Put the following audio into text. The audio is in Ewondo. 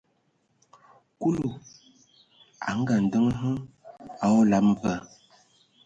Kulu a ngaandǝŋ hm a olam va,